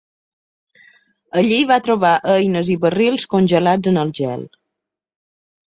Allí va trobar eines i barrils congelats en el gel.